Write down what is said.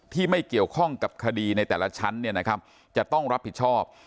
ไม่เกี่ยวข้องกับคดีในแต่ละชั้นจะต้องรับผิดชอบ